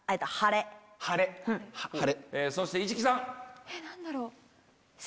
そして市來さん。